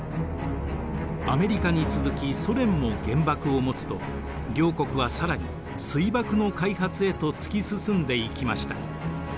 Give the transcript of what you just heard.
アメリカに続きソ連も原爆を持つと両国は更に水爆の開発へと突き進んでいきました。